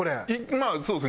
まあそうですね。